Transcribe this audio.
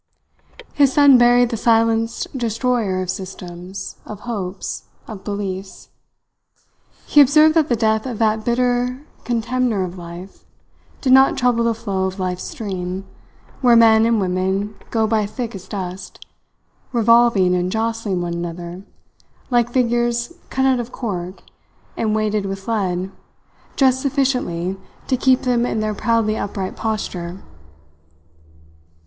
His son buried the silenced destroyer of systems, of hopes, of beliefs. He observed that the death of that bitter contemner of life did not trouble the flow of life's stream, where men and women go by thick as dust, revolving and jostling one another like figures cut out of cork and weighted with lead just sufficiently to keep them in their proudly upright posture.